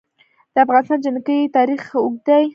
د افغانستان جنګي تاریخ اوږد دی.